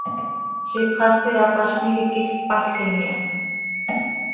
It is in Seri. Ziix ipxasi hapaznij hipquij cpajim iha.